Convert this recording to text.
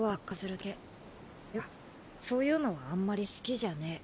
っていうかそういうのはあんまり好きじゃねえ。